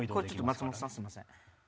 松本さんすんません。